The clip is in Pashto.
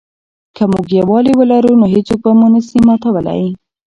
که موږ یووالي ولرو نو هېڅوک مو نه سي ماتولای.